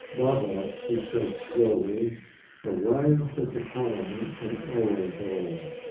"Baba," he said slowly, "arrived at the colony an hour ago.